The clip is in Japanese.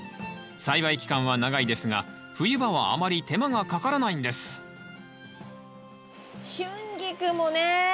栽培期間は長いですが冬場はあまり手間がかからないんですシュンギクもね。